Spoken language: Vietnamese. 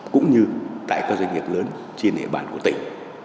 cũng như tại các doanh nghiệp lớn trên địa bàn của tỉnh